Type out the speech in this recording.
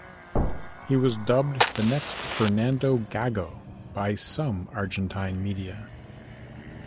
He was dubbed the next Fernando Gago by some Argentine media.